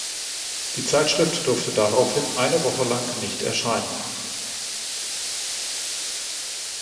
Die Zeitschrift durfte daraufhin eine Woche lang nicht erscheinen.